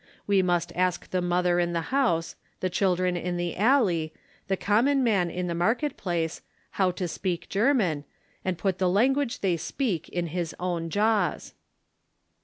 We must ask the mother in the house, the children in the alley, the common man in the mar ket place, how to speak German, and put the language they speak in his own jaAvs."